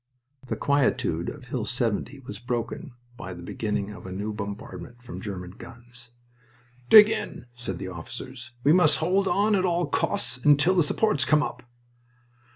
The quietude of Hill 70 was broken by the beginning of a new bombardment from German guns. "Dig in," said the officers. "We must hold on at all costs until the supports come up."